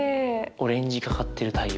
オレンジがかってる太陽。